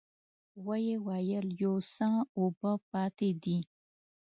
ويې ويل: يو څه اوبه پاتې دي.